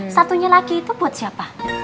satunya lagi itu buat siapa